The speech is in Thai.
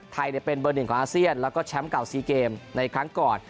ไทยเป็นเบอร์หนึ่งของอาเซียนแล้วก็แชมป์เก่า๔เกมในครั้งก่อน